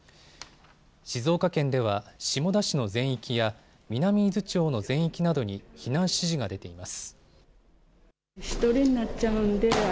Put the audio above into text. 静岡県では下田市の全域や南伊豆町の全域などに避難指示が出ています。